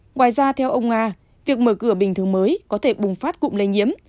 ngoài ra theo ông nga việc mở cửa bình thứ mới có thể bùng phát cụm lây nhiễm